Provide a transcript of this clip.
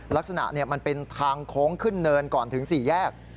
ลักษณะมันเป็นทางโค้งขึ้นเนินก่อนถึง๔แยก